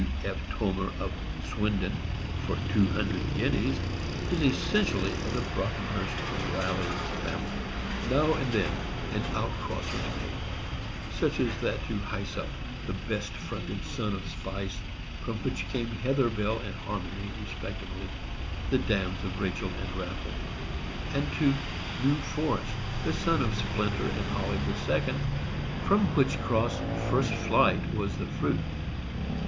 W. F. Toomer, of Swindon, for 200 guineas, is essentially of the Brockenhurst Rally family. Now and then an outcross was made, such as that to Hysop, the best fronted son of Spice, from which came Heatherbell and Harmony, respectively the dams of Rachel and Raffle; and to New Forest, the son of Splinter and Olive II., from which cross First Flight was the fruit.